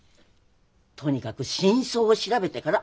とにかく真相を調べてから。